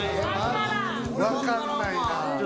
分かんないな。